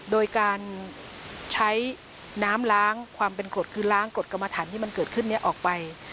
โดยการใช้น้ำล้างความเป็นกรดคือล้างกฎกรรมฐานที่มันเกิดขึ้นนี้ออกไป